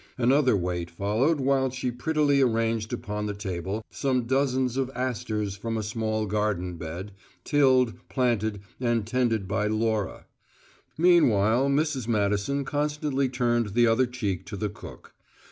Another wait followed while she prettily arranged upon the table some dozens of asters from a small garden bed, tilled, planted, and tended by Laura. Meanwhile, Mrs. Madison constantly turned the other cheek to the cook.